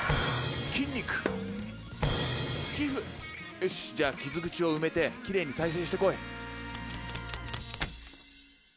よしじゃあ傷口を埋めてきれいに再生してこい。